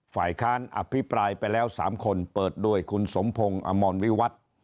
ฝ่ายค้านอภิปรายไปแล้ว๓คนเปิดด้วยคุณสมพงศ์อมรวิวัตร